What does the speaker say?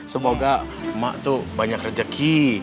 semoga ma tuh banyak rezeki